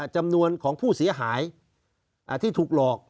จำนวนของผู้เสียหายที่ถูกหลอก